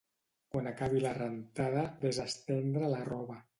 Quan acabi la rentada ves a estendre la roba